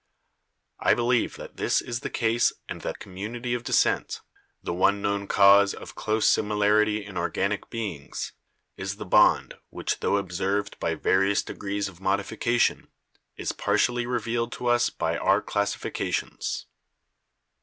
I believe that this is the case and that community of descent — the one known cause of close similarity in organic beings — is the bond, EVIDENCES OF ORGANIC EVOLUTION 167 which tho observed by various degrees of modification, is partially revealed to us by our classifications."